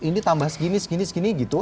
ini tambah segini segini segini gitu